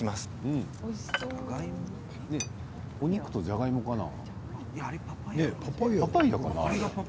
お肉とじゃがいもかな？